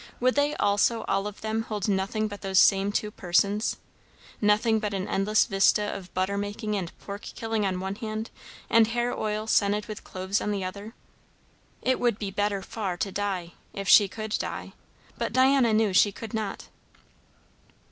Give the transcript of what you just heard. Would they also, all of them, hold nothing but those same two persons? Nothing but an endless vista of butter making and pork killing on one hand, and hair oil scented with cloves on the other? It would be better far to die, if she could die; but Diana knew she could not.